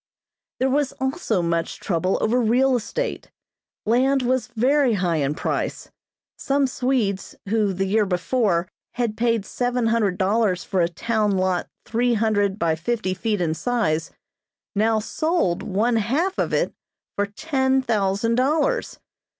There was also much trouble over real estate. Land was very high in price. Some Swedes, who, the year before, had paid seven hundred dollars for a town lot three hundred by fifty feet in size, now sold one half of it for ten thousand dollars.